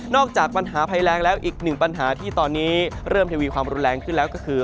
จากปัญหาภัยแรงแล้วอีกหนึ่งปัญหาที่ตอนนี้เริ่มเทวีความรุนแรงขึ้นแล้วก็คือ